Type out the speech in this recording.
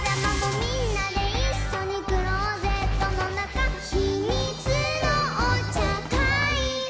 「みんなでいっしょにクローゼットのなか」「ひみつのおちゃかい」